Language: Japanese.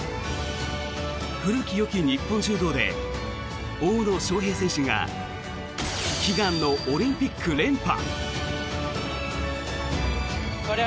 古きよき日本柔道で大野将平選手が悲願のオリンピック連覇。